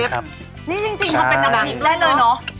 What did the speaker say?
นี่จริงเบาไปดำเนียงได้เลยเหรอ